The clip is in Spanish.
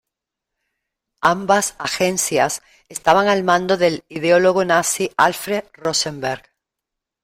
Ambas agencias estaban al mando del ideólogo nazi Alfred Rosenberg.